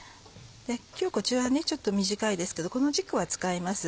今日こちらはちょっと短いですけどこの軸は使います。